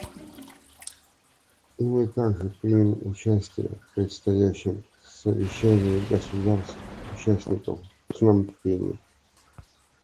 И мы также примем участие в предстоящем совещании государств-участников в Пномпене.